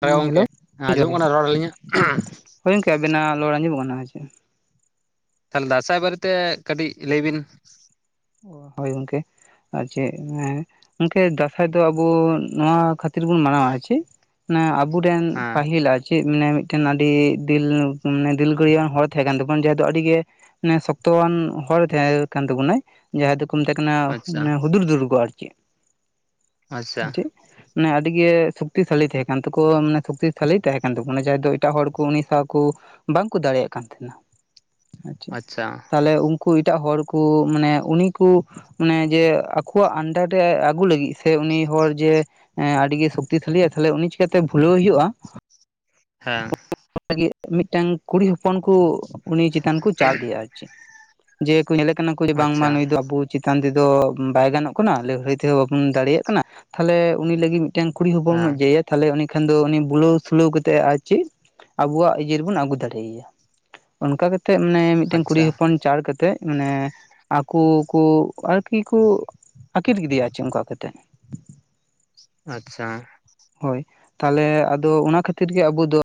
ᱦᱳᱭ ᱦᱩᱸ ᱦᱮᱞᱳ ᱜᱚᱝᱠᱮ, ᱡᱚᱦᱟᱨ ᱟᱸᱡᱚᱢᱚᱜ ᱜᱮ ᱠᱟᱱᱟ ᱨᱚᱲ ᱟᱹᱞᱤᱧᱟᱜ? ᱦᱳᱭ ᱜᱚᱝᱠᱮ ᱟᱵᱮᱱᱟᱜ ᱨᱚᱲ ᱟᱸᱚᱢᱚᱜ ᱠᱟᱱᱟ ᱦᱚᱭ ᱪᱮ᱾ ᱛᱟᱦᱚᱞᱮ ᱫᱟᱸᱥᱟᱭ ᱵᱟᱨᱮᱛᱮ ᱠᱟᱹᱴᱤᱡ ᱞᱟᱹᱭ ᱵᱤᱱ? ᱚ ᱦᱳᱭ ᱜᱚᱝᱠᱮ᱾ ᱟᱨ ᱪᱮᱫ, ᱜᱚᱝᱠᱮ ᱫᱟᱺᱥᱟᱭ ᱫᱚ ᱟᱵᱚ ᱱᱚᱣᱟ ᱠᱷᱟᱛᱤᱨ ᱵᱩᱱ ᱢᱟᱱᱟᱣᱟ ᱟᱨ ᱪᱮᱫ, ᱚᱱᱮ ᱟᱵᱚ ᱨᱮᱱ ᱦᱮᱸ ᱯᱟᱹᱦᱤᱞ ᱟᱡ ᱪᱮᱫ ᱢᱮᱱᱟᱭᱟ ᱢᱤᱫᱴᱮᱱ ᱟᱹᱰᱤ ᱫᱤᱞ ᱢᱟᱱᱮ ᱫᱤᱞᱜᱟᱹᱨᱤᱭᱟᱱ ᱦᱚᱲ ᱛᱟᱦᱮᱸ ᱠᱟᱱ ᱛᱟᱵᱚᱱ ᱡᱟᱸᱦᱟᱭ ᱫᱚ ᱟᱹᱰᱤ ᱜᱮ ᱢᱟᱱᱮ ᱥᱚᱠᱛᱚᱣᱟᱱ ᱦᱚᱲ ᱛᱟᱦᱮᱸ ᱠᱟᱱ ᱛᱟᱵᱚᱱᱟᱭ᱾ ᱡᱟᱦᱟᱭ ᱫᱚᱠᱚ ᱢᱮᱛᱟᱭ ᱠᱟᱱᱟ ᱟᱪᱪᱷᱟ ᱢᱟᱱᱮ ᱦᱩᱫᱩᱨᱫᱩᱨᱜᱟᱹ ᱟᱨ ᱪᱮᱫ ᱟᱪᱪᱷᱟ ᱟᱨ ᱪᱮᱫ ᱢᱟᱱᱮ ᱟᱹᱰᱤ ᱜᱮ ᱥᱚᱠᱛᱤᱥᱟᱞᱤ ᱛᱟᱦᱮᱸ ᱠᱟᱱ ᱛᱟᱠᱚᱣᱟ ᱢᱟᱱᱮ ᱛᱷᱚᱠᱛᱤ ᱛᱷᱟᱞᱤ ᱛᱟᱦᱮᱸ ᱠᱟᱱ ᱛᱟᱵᱚᱱᱟ ᱡᱟᱦᱟᱸᱭ ᱫᱚ ᱮᱴᱟᱜ ᱦᱚᱲ ᱠᱚ ᱩᱱᱤ ᱥᱟᱶ ᱠᱚ ᱵᱟᱝᱠᱚ ᱫᱟᱲᱮᱭᱟᱜ ᱠᱟᱱ ᱛᱟᱦᱮᱸᱱᱟ᱾ ᱟᱨ ᱪᱮᱫ᱾ ᱟᱪᱪᱷᱟ ᱛᱟᱦᱚᱞᱮ ᱩᱱᱠᱩ ᱮᱴᱟᱜ ᱦᱚᱲᱠᱩ ᱢᱟᱱᱮ ᱩᱱᱤ ᱠᱚ ᱚᱱᱮ ᱡᱮ ᱟᱠᱚᱣᱟᱜ ᱟᱱᱰᱟᱨ ᱨᱮ ᱟᱹᱜᱩ ᱞᱟᱹᱜᱤᱫ ᱥᱮ ᱩᱱᱤ ᱦᱚᱲ ᱡᱮ ᱮᱸ ᱟᱹᱰᱤᱜᱮ ᱥᱚᱠᱛᱤᱥᱟᱞᱤᱭᱟ ᱛᱟᱦᱚᱞᱮ ᱩᱱᱤ ᱪᱤᱠᱟᱹᱛᱮ ᱵᱷᱩᱞᱟᱹᱣ ᱮ ᱦᱩᱭᱩᱜᱼᱟ ᱦᱮᱸ᱾ ᱞᱟᱹᱜᱤᱫ ᱢᱤᱫᱴᱟᱝ ᱠᱩᱲᱤ ᱦᱚᱯᱚᱱ ᱠᱚ ᱩᱱᱤ ᱪᱮᱛᱟᱱ ᱠᱚ ᱪᱟᱣ ᱟᱫᱮᱭᱟ ᱟᱨ ᱪᱮᱫ᱾ ᱡᱮ ᱠᱚ ᱧᱮᱞᱮ ᱠᱟᱱᱟ ᱠᱚ ᱡᱮ ᱵᱟᱝᱢᱟ ᱟᱪᱪᱷᱟ ᱱᱩᱭ ᱫᱚ ᱟᱵᱚ ᱪᱮᱛᱟᱱ ᱛᱮᱫᱚ ᱵᱟᱭ ᱜᱟᱱᱚᱜ ᱠᱟᱱᱟ ᱞᱟᱹᱲᱦᱟᱹᱭ ᱛᱮᱦᱚᱸ ᱵᱟᱵᱚᱱ ᱫᱟᱲᱮᱭᱟᱜ ᱠᱟᱱᱟ ᱛᱟᱦᱚᱞᱮ ᱩᱱᱤ ᱞᱟᱹᱜᱤᱫ ᱢᱤᱫᱴᱮᱱ ᱠᱩᱲᱤ ᱦᱚᱯᱚᱱ ᱦᱮᱸ ᱵᱮᱡᱟᱣᱟ ᱛᱟᱦᱚᱞᱮ ᱩᱱᱤ ᱠᱷᱟᱱ ᱫᱚ ᱩᱱᱤ ᱵᱩᱞᱟᱹᱣ ᱥᱩᱞᱟᱹᱣ ᱠᱟᱛᱮᱫ ᱟᱡ ᱪᱮᱫ ᱟᱵᱚᱣᱟᱜ ᱤᱭᱟᱹ ᱨᱮᱵᱩᱱ ᱟᱹᱜᱩ ᱫᱟᱲᱮᱭᱟᱭᱟ, ᱚᱱᱠᱟ ᱠᱟᱛᱮᱫ ᱢᱟᱱᱮ ᱢᱤᱫᱴᱮᱱ ᱟᱪᱪᱷᱟ ᱠᱩᱲᱤ ᱦᱚᱯᱚᱱ ᱪᱟᱲ ᱠᱟᱛᱮᱫ ᱢᱟᱱᱮ ᱟᱠᱚ ᱠᱚ ᱟᱨᱠᱤ ᱠᱚ ᱟᱹᱠᱤᱨ ᱠᱮᱫᱮᱭᱟ ᱪᱮᱫ ᱚᱱᱠᱟ ᱠᱟᱛᱮᱫ᱾ ᱟᱪᱪᱷᱟ᱾ ᱦᱳᱭ ᱛᱟᱦᱚᱞᱮ ᱟᱫᱚ ᱚᱱᱟ ᱠᱷᱟᱹᱛᱤᱨ ᱜᱮ ᱟᱵᱚ ᱫᱚ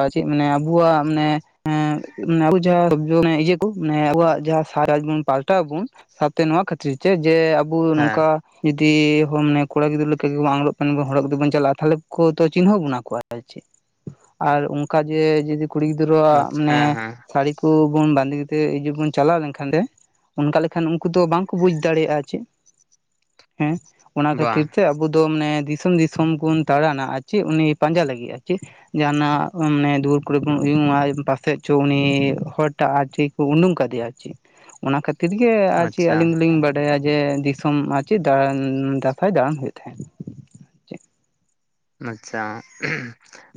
ᱟ ᱪᱮᱫ ᱢᱟᱱᱮ ᱟᱵᱚᱣᱟᱜ ᱢᱟᱱᱮ ᱮᱸ ᱟᱵᱩ ᱡᱟᱦᱟᱸ ᱤᱭᱟᱹ ᱠᱚ ᱢᱟᱱᱮ ᱟᱵᱚᱣᱟᱜ ᱡᱟᱦᱟᱸ ᱥᱟᱨᱟ ᱡᱤᱵᱚᱱ ᱯᱟᱞᱴᱟᱣ ᱟᱵᱚᱱ ᱥᱟᱶᱛᱮ ᱱᱚᱣᱟ ᱠᱷᱟᱹᱛᱤᱨ ᱛᱮ ᱡᱮ ᱟᱵ ᱟᱵᱚ ᱦᱮᱸ ᱱᱚᱝᱠᱟ ᱡᱩᱫᱤ ᱢᱟᱱᱮ ᱦᱚᱲ ᱠᱚᱲᱟ ᱜᱤᱫᱽᱨᱟᱹ ᱞᱮᱠᱟ ᱜᱮᱵᱚ ᱟᱸᱜᱨᱚᱜ ᱢᱟᱱᱮ ᱵᱚ ᱦᱚᱲᱚᱜ ᱠᱟᱛᱮ ᱵᱚᱱ ᱪᱟᱞᱟᱜᱼᱟ ᱛᱟᱦᱚᱞᱮ ᱠᱚ ᱛᱚ ᱪᱤᱱᱦᱟᱹᱣ ᱵᱚᱱᱟ ᱠᱚᱣᱟ ᱟᱨ ᱪᱮᱫ᱾ ᱟᱨ ᱚᱱᱠᱟ ᱡᱮ ᱡᱩᱫᱤ ᱠᱩᱲᱤ ᱜᱤᱫᱽᱨᱟᱹᱣᱟᱜ ᱟᱪᱪᱷᱟ ᱦᱮᱸ ᱢᱟᱱᱮ ᱦᱮᱸ ᱥᱟᱹᱲᱤ ᱠᱚᱵᱩᱱ ᱵᱟᱸᱫᱮ ᱠᱟᱛᱮᱫ ᱤᱭᱟᱹ ᱵᱚᱱ ᱪᱟᱞᱟᱣ ᱞᱮᱱᱠᱷᱟᱱ ᱫᱮ ᱚᱱᱠᱟ ᱞᱮᱠᱷᱟᱱ ᱩᱱᱠᱩ ᱫᱚ ᱵᱟᱝᱠᱚ ᱵᱩᱡ ᱫᱟᱲᱮᱭᱟᱜᱼᱟ ᱪᱮᱫ? ᱦᱮᱸ᱾ ᱚᱱᱟ ᱠᱷᱟᱹᱛᱤᱨ ᱵᱟᱝ ᱛᱮ ᱟᱵᱚ ᱫᱚ ᱢᱟᱱᱮ ᱫᱤᱥᱚᱢ ᱫᱤᱥᱚᱢ ᱵᱩᱱ ᱫᱟᱲᱟᱱᱟ ᱟᱨ ᱪᱮᱫ ᱩᱱᱤ ᱯᱟᱸᱡᱟ ᱞᱟᱹᱜᱤᱫ ᱟᱨ ᱪᱮᱫ᱾ ᱡᱟᱦᱟᱱᱟᱜ ᱢᱟᱱᱮ ᱫᱩᱭᱟᱹᱨ ᱠᱚᱨᱮ ᱵᱚᱱ ᱩᱭᱩᱢᱟ ᱯᱟᱥᱮᱡ ᱪᱚ ᱩᱱᱤ ᱦᱚᱲᱴᱟᱜ ᱟᱨ ᱴᱷᱤᱠ ᱩᱸᱰᱩᱝ ᱠᱟᱫᱮᱭᱟ ᱟᱨ ᱪᱮᱫ᱾ ᱚᱱᱟ ᱠᱷᱟᱹᱛᱤᱨ ᱜᱮ ᱟᱨ ᱪᱮᱫ ᱟᱪᱪᱷᱟ ᱟᱹᱞᱤᱧ ᱫᱚᱞᱤᱧ ᱵᱟᱲ ᱰᱟᱭᱟ ᱡᱮ ᱫᱤᱥᱚᱢ ᱟᱨ ᱪᱮᱫ ᱫᱟᱬᱟᱸᱱ ᱫᱟᱸᱥᱟᱭ ᱫᱟᱬᱟᱱ ᱦᱩᱭᱩᱜ ᱛᱟᱦᱮᱸᱫ᱾ ᱪᱮᱫ ᱟᱪᱪᱷᱟ ᱩᱦᱩᱸ᱾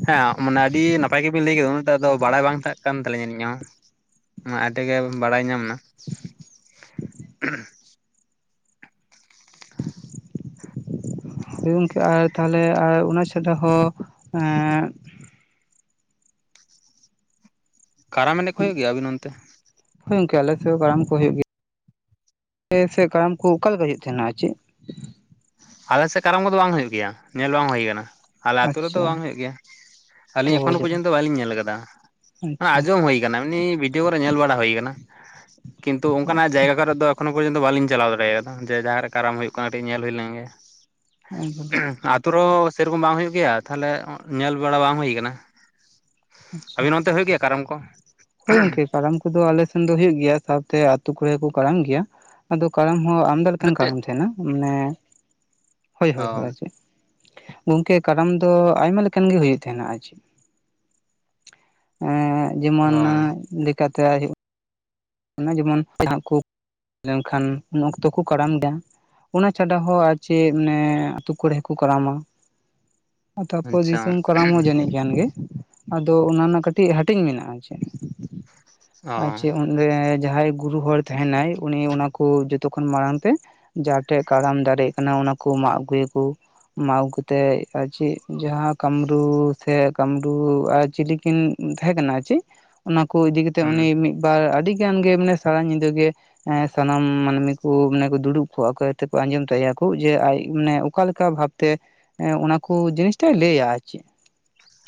ᱦᱮᱸ ᱢᱟᱱᱮ ᱟᱹᱰᱤ ᱱᱟᱯᱟᱭ ᱜᱮᱵᱤᱱ ᱞᱟᱹᱭ ᱠᱮᱫᱟ ᱩᱱᱟᱹᱜᱴᱟ ᱫᱚ ᱵᱟᱲᱟᱭ ᱵᱟᱝ ᱛᱟᱦᱮᱸᱜ ᱠᱟᱱ ᱛᱟᱹᱞᱤᱧᱟ ᱟᱹᱞᱤᱧᱟᱜ ᱦᱚᱸ᱾ ᱢᱟᱜ-ᱟ ᱴᱮ ᱜᱮ ᱵᱟᱲᱟᱭ ᱧᱟᱢᱱᱟ᱾ ᱦᱳᱭ ᱜᱚᱝᱠᱮ ᱟᱨ ᱛᱟᱦᱚᱞᱮ ᱟᱨ ᱚᱱᱟ ᱪᱷᱟᱰᱟ ᱦᱚ ᱮᱸᱫ ᱠᱟᱨᱟᱢ ᱮᱱᱮᱡ ᱠᱚ ᱦᱩᱭᱩᱜ ᱜᱮ ᱟᱵᱤᱱ ᱚᱱᱛᱮ? ᱦᱳᱭ ᱜᱚᱝᱠᱮ ᱟᱞᱮ ᱥᱮᱡ ᱦᱚᱸ ᱠᱟᱨᱟᱢ ᱠᱚ ᱦᱩᱭᱩᱜ ᱜᱮᱭᱟ᱾ ᱯᱮ ᱥᱮᱫ ᱠᱟᱨᱟᱢ ᱠᱚ ᱚᱠᱟ ᱞᱮᱠᱟ ᱦᱩᱭᱩᱜ ᱛᱮᱦᱮᱱᱟ ᱟᱨ ᱪᱮᱫ? ᱟᱞᱮ ᱥᱮᱜ ᱠᱟᱨᱟᱢ ᱠᱚᱫᱚ ᱵᱟᱝ ᱦᱳᱭᱳᱜ ᱜᱮᱭᱟ᱾ ᱧᱮᱞ ᱵᱟᱝ ᱦᱚᱭ ᱠᱟᱱᱟ᱾ ᱟᱞᱮ ᱟᱛᱩ ᱨᱮᱫᱚ ᱵᱟᱝ ᱟᱪᱪᱷᱟ ᱦᱩᱭᱩᱜ ᱜᱮᱭᱟ᱾ ᱛᱚ ᱟᱹᱞᱤᱧ ᱮᱠᱷᱚᱱᱳ ᱯᱚᱨᱡᱚᱱᱛᱚ ᱵᱟᱞᱤᱧ ᱧᱮᱞ ᱟᱠᱟᱫᱟ᱾ ᱟᱱᱟ ᱟᱪᱪᱷᱟ ᱟᱸᱡᱚᱢ ᱦᱩᱭ ᱠᱟᱱᱟ ᱮᱢᱱᱤ ᱵᱷᱤᱰᱭᱳ ᱠᱚᱨᱮ ᱧᱮᱞ ᱵᱟᱲᱟ ᱦᱳᱭ ᱠᱟᱱᱟ᱾ ᱠᱤᱱᱛᱩ ᱚᱱᱠᱟ ᱱᱟᱜ ᱟᱪᱪᱷᱟ ᱡᱟᱭᱜᱟ ᱠᱚᱨᱮᱜ ᱫᱚ ᱮᱠᱷᱚᱱᱚ ᱯᱚᱨᱡᱚᱱᱛᱟ ᱵᱟᱞᱤᱧ ᱪᱟᱞᱟᱣ ᱫᱟᱲᱮᱭ ᱠᱟᱫᱟ ᱡᱮ ᱡᱟᱦᱟᱸ ᱨᱮ ᱠᱟᱨᱟᱢ ᱦᱩᱭᱩᱜ ᱠᱟᱱᱟ ᱠᱟᱹᱴᱤᱡ ᱧᱮᱞ ᱦᱩᱭ ᱞᱮᱱ ᱜᱮ᱾ [unintelligible] ᱛᱩ ᱨᱮᱦᱚᱸ ᱥᱮ ᱨᱚᱠᱚᱢ ᱵᱟᱝ ᱦᱳᱭᱳᱜ ᱜᱮᱭᱟ, ᱛᱟᱦᱚᱞᱮ ᱚᱸᱜ ᱧᱮᱞ ᱵᱟᱲᱟ ᱵᱟᱝ ᱦᱩᱭ ᱠᱟᱱᱟ᱾ ᱟᱪᱪᱷᱟ ᱟᱵᱤᱱ ᱚᱱᱛᱮ ᱦᱚᱭᱩᱜ ᱜᱮᱭᱟ ᱠᱟᱨᱟᱢ ᱠᱚ? ᱦᱳᱭ ᱜᱚᱝᱠᱮ᱾ ᱠᱟᱨᱟᱢ ᱠᱩᱫᱚ ᱟᱞᱮ ᱥᱮᱱ ᱫᱚ ᱦᱳᱭᱳᱜ ᱜᱮᱭᱟ ᱥᱟᱶᱛᱮ ᱟᱛᱩ ᱠᱚᱨᱮ ᱠᱩ ᱠᱟᱨᱟᱢ ᱜᱤᱭᱟ᱾ ᱟᱫᱚ ᱠᱟᱨᱟᱢ ᱦᱚᱸ ᱟᱢ ᱪᱮᱜ ᱞᱮᱠᱟᱱ ᱠᱟᱨᱟᱢ ᱛᱮᱦᱮᱸᱱᱟ ᱢᱟᱱᱮ ᱦᱳᱭ ᱦᱳᱭ ᱚ ᱟᱨ ᱪᱮᱫ᱾ ᱜᱚᱝᱠᱮ ᱠᱟᱨᱟᱢ ᱫᱚ ᱟᱭᱢᱟ ᱞᱮᱠᱟᱱ ᱜᱮ ᱦᱩᱭᱩᱜ ᱛᱮᱦᱮᱸᱱᱟ ᱟᱨ ᱪᱮᱫ᱾ ᱮᱸᱜ ᱡᱮᱢᱚᱱ ᱚ ᱞᱮᱠᱟ ᱛᱮ ᱟᱭ ᱦᱩᱭᱩᱜ ᱚᱱᱟ ᱡᱮᱢᱚᱱ [unintelligible] ᱡᱟᱦᱟᱸ ᱠᱩ ᱞᱮᱱᱠᱷᱟᱱ ᱩᱱ ᱚᱠᱛᱚ ᱠᱩ ᱠᱟᱨᱟᱢ ᱜᱮᱭᱟ᱾ ᱚᱱᱟ ᱪᱷᱟᱰᱟ ᱦᱚᱸ ᱟᱨ ᱪᱮᱜ ᱢᱟᱱᱮ ᱟᱹᱛᱩ ᱠᱚᱨᱮ ᱦᱚᱸ ᱠᱩ ᱠᱟᱨᱟᱢᱟ᱾ ᱛᱟᱨᱯᱚᱨ ᱟᱪᱪᱷᱟ ᱫᱤᱥᱚᱢ ᱠᱟᱨᱟᱢ ᱦᱚᱸ ᱡᱟᱹᱱᱤᱡ᱾ ᱜᱟᱱ ᱜᱮ ᱟᱫᱚ ᱚᱱᱟ ᱨᱮᱱᱟᱜ ᱠᱟᱹᱴᱤᱡ ᱦᱟᱹᱴᱤᱧ ᱢᱮᱱᱟᱜ-ᱟ ᱪᱮ ᱚ ᱟᱨ ᱪᱮᱜ ᱚᱸᱰᱮ ᱡᱟᱦᱟᱸᱭ ᱜᱩᱨᱩ ᱦᱚᱲ ᱛᱟᱦᱮᱸ ᱱᱟᱭ ᱩᱱᱤ ᱚᱱᱟ ᱠᱩ ᱡᱚᱛᱚ ᱠᱷᱚᱱ ᱢᱟᱬᱟᱝ ᱛᱮ ᱡᱟᱦᱟᱸ ᱴᱷᱮᱜ ᱠᱟᱨᱟᱢ ᱫᱟᱨᱮᱜ ᱠᱟᱱᱟ ᱚᱱᱟ ᱠᱚ ᱢᱟᱜ ᱟᱹᱜᱩ ᱭᱟᱹᱠᱩ ᱢᱟᱜ ᱟᱹᱜᱩ ᱠᱟᱛᱮᱜ ᱟᱨ ᱪᱤᱜ ᱡᱟᱦᱟᱸ ᱠᱟᱢᱨᱩ ᱥᱮ ᱠᱟᱢᱨᱩ ᱟᱨ ᱪᱤᱞᱤ ᱠᱤᱱ ᱩᱸ ᱛᱮᱦᱮᱸ ᱠᱟᱱᱟ ᱟᱨ ᱪᱮ ᱚᱱᱟ ᱠᱩ ᱤᱫᱤ ᱠᱟᱛᱮᱜ ᱦᱩᱸ ᱩᱱᱤ ᱢᱤᱫ ᱵᱟᱨ ᱟᱰᱤ ᱜᱟᱱ ᱜᱮ ᱢᱟᱱᱮ ᱥᱟᱨᱟ ᱧᱤᱫᱟᱹ ᱜᱮ ᱮᱸ ᱥᱟᱱᱟᱢ ᱢᱟᱱᱢᱤ ᱠᱩ ᱢᱟᱱᱮ ᱠᱚ ᱫᱩᱲᱩᱵ ᱠᱚᱜ-ᱟ ᱠᱚ ᱟᱛᱮᱜ ᱠᱚ ᱟᱸᱡᱚᱢ ᱛᱟᱭᱟ ᱠᱩ ᱡᱮ ᱟᱡ ᱢᱟᱱᱮ ᱩᱠ ᱚᱠᱟ ᱞᱮᱠᱟ ᱵᱷᱟᱵᱽ ᱛᱮ ᱮᱸ ᱚᱱᱟ ᱠᱚ ᱡᱤᱱᱤᱥ ᱴᱟᱭ ᱞᱟᱹᱭᱟ ᱟᱨ ᱪᱮᱜ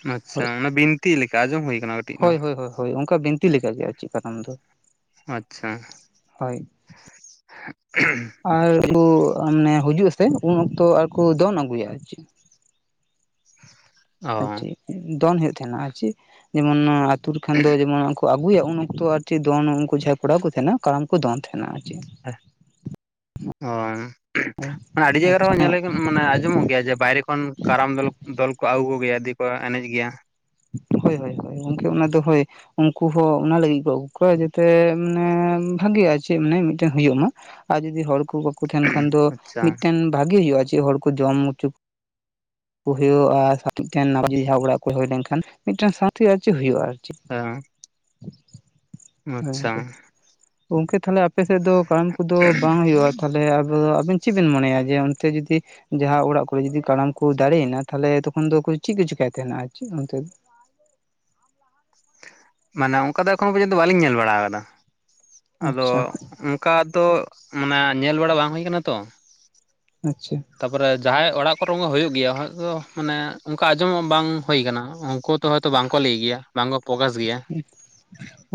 ᱱᱟᱪᱪᱷᱟ ᱚᱱᱟ ᱵᱤᱱᱛᱤ ᱞᱤᱠᱟ ᱟᱸᱡᱚᱢ ᱦᱩᱭ ᱠᱟᱱᱟ᱾ ᱦᱚᱭ ᱦᱚᱭ ᱦᱚᱭ ᱦᱚᱭ ᱚᱱᱠᱟ ᱵᱤᱱᱛᱤ ᱞᱮᱠᱟ ᱜᱮ ᱟᱨ ᱪᱤᱜ ᱠᱟᱨᱟᱢ ᱫᱚ ᱟᱪᱪᱷᱟ᱾ ᱦᱚᱭ [unintelligible] ᱟᱨ ᱠᱩ ᱢᱟᱱᱮ ᱦᱩᱡᱩᱜ-ᱟ ᱥᱮ ᱩᱱ ᱚᱠᱛᱚ ᱟᱨ ᱠᱩ ᱫᱚᱱ ᱟᱹᱜᱩᱭᱟ ᱟᱨ ᱪᱤᱜ ᱚ ᱟᱨ ᱪᱮᱜ ᱫᱚᱱ ᱦᱩᱭᱩᱜ ᱛᱮᱦᱮᱱᱟ ᱟᱨ ᱪᱤᱜ ᱡᱮᱢᱚᱱ ᱱᱚᱣᱚ ᱟᱹᱛᱩ ᱨᱮ ᱠᱷᱟᱱ ᱫᱚ ᱡᱮᱢᱚᱱ ᱩᱱᱠᱩ ᱟᱜᱩᱭᱟ ᱩᱱ ᱚᱠᱛᱚ ᱟᱨ ᱪᱮᱫ ᱫᱚᱱ ᱩᱱᱠᱩ ᱡᱟᱦᱟᱸᱭ ᱠᱚᱲᱟ ᱠᱩ ᱛᱮᱦᱮᱱᱟ ᱠᱟᱨᱟᱢ ᱠᱩ ᱫᱚᱱ ᱛᱮᱦᱮᱱᱟ ᱟᱨ ᱪᱤ ᱮᱦ ᱚᱸ ᱢᱟᱱᱮ ᱟᱰᱤ ᱡᱟᱭᱜᱟ ᱨᱮᱦᱚᱸ ᱧᱮᱞ ᱦᱩᱭ ᱠᱟᱱᱟ᱾ ᱢᱟᱱᱮ ᱟᱸᱡᱚᱢᱚᱜ ᱜᱮᱭᱟ ᱡᱮ ᱵᱟᱭᱨᱮ ᱠᱷᱚᱱ ᱠᱟᱨᱟᱢ ᱫᱚᱞᱚ ᱫᱚᱞ‌ ᱠᱚ ᱟᱜᱩ ᱜᱮᱭᱟ ᱫᱤ ᱠᱚ ᱮᱱᱮᱡᱽ ᱜᱮᱭᱟ᱾ ᱦᱚᱭ ᱦᱚᱭ ᱦᱚᱭ ᱜᱚᱝᱠᱮ ᱚᱱᱟ ᱫᱚ ᱦᱚᱭ᱾ ᱩᱱᱠᱩ ᱦᱚᱸ ᱚᱱᱟ ᱞᱟᱹᱜᱤᱜ ᱠᱚ ᱟᱹᱜᱩ ᱠᱚᱣᱟ ᱡᱟᱛᱮ ᱢᱟᱱᱮ ᱵᱷᱟᱜᱤᱜ-ᱟ ᱪᱮᱜ ᱢᱟᱱᱮ ᱢᱤᱫᱴᱮᱱ ᱦᱩᱭᱩᱜ ᱢᱟ᱾ ᱟᱨ ᱡᱩᱫᱤ ᱦᱚᱲ ᱠᱩ ᱵᱟᱹᱠᱩ ᱛᱮᱦᱮᱸᱱ ᱠᱷᱟᱱ ᱫᱚ ᱟᱪᱪᱷᱟ ᱢᱤᱫᱴᱮᱱ ᱵᱷᱟᱜᱤ ᱦᱩᱭᱩᱜ-ᱟ ᱡᱮ ᱦᱚᱲ ᱠᱩ ᱡᱚᱢ ᱩᱪᱩ ᱠᱩ ᱠᱩ ᱦᱩᱭᱩᱜ-ᱟ ᱥᱮ ᱟᱨ ᱢᱤᱫᱴᱮᱱ ᱱᱟᱶᱟ ᱡᱤᱫᱤ ᱡᱟᱦᱟᱸ ᱚᱲᱟᱜ ᱠᱚ ᱮᱦᱚᱵ ᱮᱫᱟ ᱮᱱᱠᱷᱟᱱ ᱢᱤᱫᱴᱮᱱ ᱥᱟᱶᱛᱷᱤ ᱟᱨ ᱪᱤᱜ ᱦᱩᱭᱩᱜ-ᱟ ᱟᱨ ᱪᱤ ᱦᱮᱸ ᱦᱚᱭ ᱜᱚᱝᱠᱮ ᱟᱪᱪᱷᱟ ᱜᱚᱝᱠᱮ ᱛᱟᱞᱦᱮ ᱟᱯᱮ ᱥᱮᱫ ᱫᱚ ᱯᱟᱱ ᱠᱩᱫᱚ ᱵᱟᱝ ᱦᱩᱭᱩᱜ-ᱟ ᱛᱟᱦᱚᱞᱮ ᱟᱵᱚ ᱟᱵᱮᱱ ᱪᱤᱜ ᱵᱮᱱ ᱢᱚᱱᱮᱭᱟ ᱡᱮ ᱚᱱᱛᱮ ᱡᱩᱫᱤ ᱡᱟᱦᱟᱸ ᱚᱲᱟᱜ ᱠᱚᱨᱮ ᱡᱩᱫᱤ ᱠᱟᱲᱟᱢ ᱠᱩ ᱫᱟᱨᱮᱭ ᱱᱟ ᱛᱦᱟᱞᱮ ᱛᱚᱠᱷᱚᱱ ᱫᱚ ᱠᱩ ᱪᱤᱜ ᱠᱩ ᱪᱮᱠᱟᱭ ᱛᱟᱸᱦᱮᱱᱟ ᱟᱨ ᱪᱤ ᱚᱱᱛᱮ ᱫᱚ? ᱢᱟᱱᱮ ᱚᱱᱠᱟ ᱫᱚ ᱮᱠᱷᱚᱱᱚ ᱯᱚᱨᱡᱚᱱᱛᱚ ᱵᱟᱞᱤᱧ ᱧᱮᱞ ᱵᱟᱲᱟᱣ ᱠᱟᱫᱟ ᱟᱫᱚ ᱟᱪᱪᱷᱟ ᱚᱸ ᱠᱟ ᱫᱚ ᱢᱟᱱᱮ ᱧᱮᱞ ᱵᱟᱲᱟ ᱵᱟᱝ ᱦᱩᱭ ᱠᱟᱱᱟ ᱛᱚ ᱟᱪᱪᱷᱟ᱾ ᱛᱟᱯᱚᱨᱮ ᱡᱟᱦᱟᱸᱭ ᱚᱲᱟᱜ ᱠᱚᱨᱮ ᱢᱟ ᱦᱩᱭᱩᱜ ᱜᱮᱭᱟ ᱦᱟᱸᱜ ᱫᱚ ᱢᱟᱱᱮ ᱚᱝᱠᱟ ᱟᱸᱡᱚᱢᱚ ᱵᱟᱝ ᱦᱩᱭ ᱠᱟᱱᱟ ᱩᱱᱠᱩ ᱛᱚ ᱦᱳᱭ ᱛᱚ ᱵᱟᱝ ᱠᱚ ᱞᱟᱹᱭ ᱜᱮᱭᱟ ᱵᱟᱝ ᱠᱚ ᱯᱚᱠᱟᱥ ᱜᱮᱭᱟ᱾